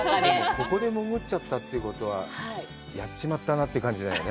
ここで潜っちゃったということは、やっちまったなって感じですよね？